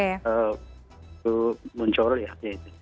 itu muncul ya itu